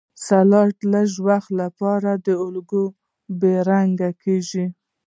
سلایډ د لږ وخت لپاره په الکولو بې رنګ کیږي.